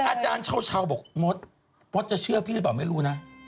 อาจารย์เช้าบอกมดมดจะเชื่อพี่หรือเปล่าไม่รู้นะ